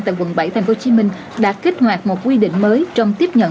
tại quận bảy tp hcm đã kích hoạt một quy định mới trong tiếp nhận